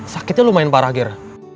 sakitnya lumayan parah ger